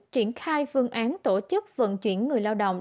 triển khai phương án tổ chức vận chuyển người lao động